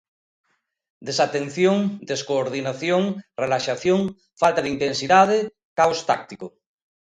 Desatención, descoordinación, relaxación, falta de intensidade, caos táctico.